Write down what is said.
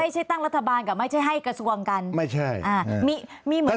ไม่ใช่ตั้งรัฐบาลกับไม่ใช่ให้กระทรวงกันมีเหมือนกับไม่ใช่